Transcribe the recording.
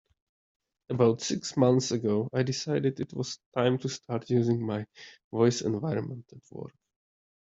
About six months ago, I decided it was time to start using my voice environment at work.